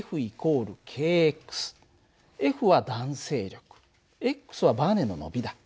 Ｆは弾性力はばねの伸びだ。